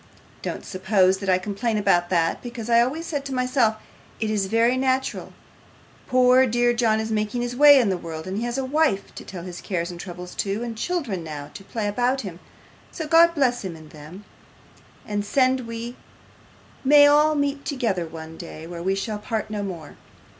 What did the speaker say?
Don't suppose that I complain about that, because I always said to myself, "It is very natural; poor dear John is making his way in the world, and has a wife to tell his cares and troubles to, and children now to play about him, so God bless him and them, and send we may all meet together one day where we shall part no more."